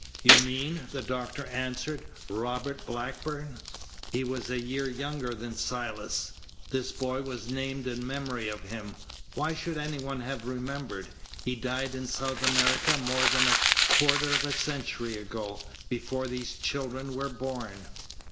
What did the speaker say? "You mean," the doctor answered, "Robert Blackburn. He was a year younger than Silas. This boy was named in memory of him. Why should any one have remembered? He died in South America more than a quarter of a century ago, before these children were born."